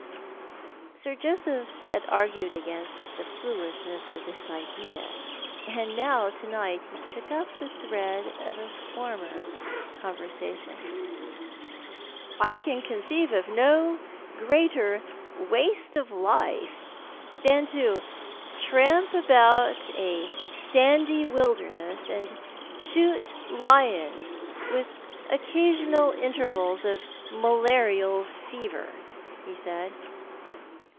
Sir Joseph had argned against the foolishness of this idea, and now to night he took up the thread of a former conver sation. " I can conceive no greater waste of life than to tramp about a sandy wilderness and shoot lions, with occasional intervals of malarial fever," he said.